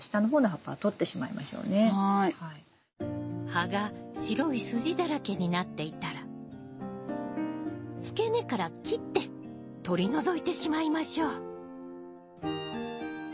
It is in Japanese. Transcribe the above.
葉が白い筋だらけになっていたら付け根から切って取り除いてしまいましょう。